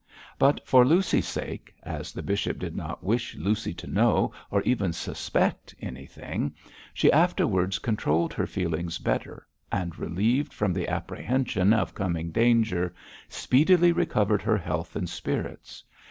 But for Lucy's sake as the bishop did not wish Lucy to know, or even suspect anything she afterwards controlled her feelings better, and, relieved from the apprehension of coming danger, speedily recovered her health and spirits.